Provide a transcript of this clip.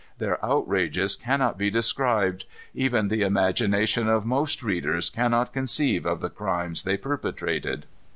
Their outrages cannot be described. Even the imagination of most readers cannot conceive of the crimes they perpetrated.